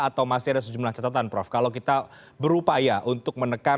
atau masih ada sejumlah catatan prof kalau kita berupaya untuk menekan